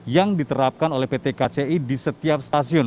yang diterapkan oleh pt kci di setiap stasiun